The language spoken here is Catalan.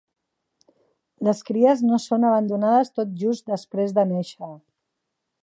Les cries no són abandonades tot just després de néixer.